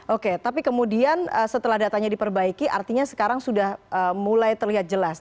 oke tapi kemudian setelah datanya diperbaiki artinya sekarang sudah mulai terlihat jelas